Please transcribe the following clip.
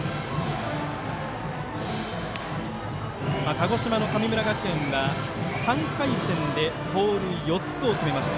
鹿児島の神村学園は３回戦で盗塁４つを決めました。